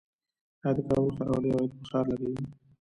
آیا د کابل ښاروالي عواید په ښار لګوي؟